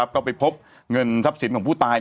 ก็ไปพบเงินทรัพย์สินของผู้ตาย